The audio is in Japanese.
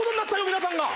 皆さんが！